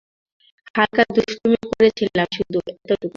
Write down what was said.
হালকা দুষ্টুমি করেছিলাম শুধু, এটুকুই।